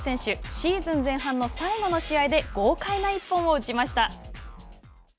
シーズン前半の最後の試合で豪快な１本を打ちました。